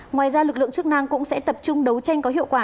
ngoài ra lực lượng chức năng cũng sẽ tập trung đấu tranh có hiệu quả